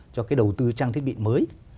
cho cái đầu tư trang thiết bị mới